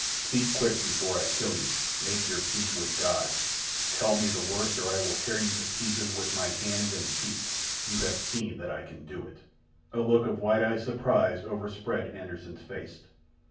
Speak quick before I kill you! Make your peace with God! Tell me the worst, or I will tear you to pieces with my hands and teeth. You have seen that I can do it!" A look of wide eyed surprise overspread Anderssen's face.